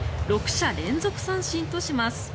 ６者連続三振とします。